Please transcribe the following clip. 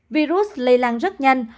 virus lây lan rất nhanh